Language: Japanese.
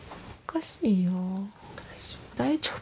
大丈夫。